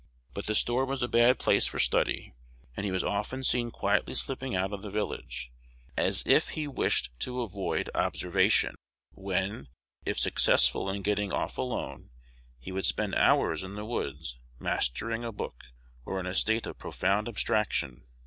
But the store was a bad place for study; and he was often seen quietly slipping out of the village, as if he wished to avoid observation, when, if successful in getting off alone, he would spend hours in the woods, "mastering a book," or in a state of profound abstraction.